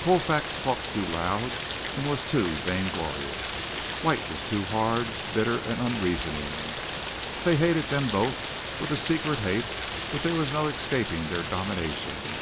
Colfax talked too loud and was too vainglorious. White was too hard, bitter and unreasoning. They hated them both with a secret hate but there was no escaping their domination.